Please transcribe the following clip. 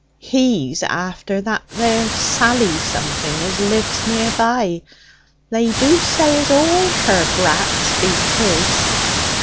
'He's after that there Sally something as lives nearby. They do say as all her brats be his.'